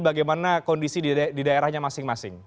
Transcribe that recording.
bagaimana kondisi di daerahnya masing masing